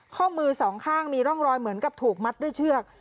ข้อมือสองข้างมีร่องรอยเหมือนกับถูกมัดด้วยเชือก